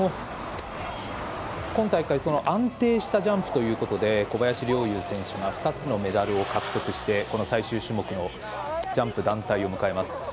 今大会安定したジャンプということで小林陵侑選手が２つのメダルを獲得してこの最終種目のジャンプ団体を迎えます。